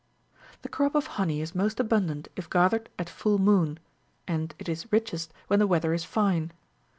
The crop of honey is most abundant if gathered at full moon, and it is richest when the weather is fine.